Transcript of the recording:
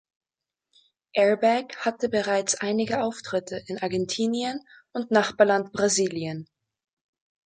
Airbag hatte bereits einige Auftritte in Argentinien und Nachbarland Brasilien.